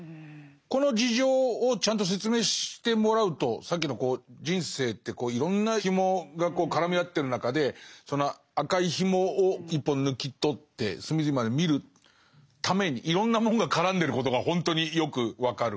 この事情をちゃんと説明してもらうとさっきのこう人生っていろんな紐がこう絡み合ってる中でその赤い紐を１本抜き取って隅々まで見るためにいろんなもんが絡んでることがほんとによく分かる。